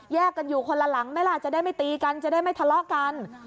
กันอยู่คนละหลังไหมล่ะจะได้ไม่ตีกันจะได้ไม่ทะเลาะกัน